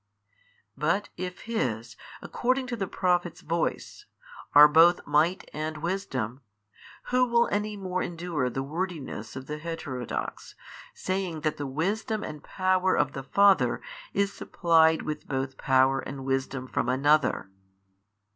But if His, according to the Prophet's voice, are both |610 might and wisdom, who will any more endure the wordiness of the heterodox, saying that the Wisdom and Power of the Father is supplied with both power and wisdom from another?